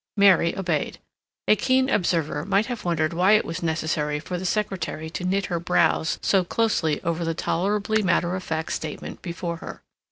Mary obeyed. A keen observer might have wondered why it was necessary for the secretary to knit her brows so closely over the tolerably matter of fact statement before her.